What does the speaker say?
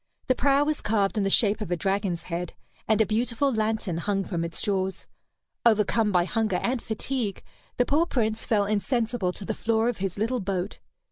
The prow was carved in the shape of a dragon's head, and a beautiful lantern hung from its jaws. Overcome by hunger and fatigue, the poor Prince fell insensible to the floor of his little boat.